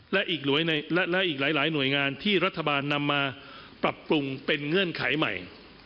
และอีกและอีกหลายหน่วยงานที่รัฐบาลนำมาปรับปรุงเป็นเงื่อนไขใหม่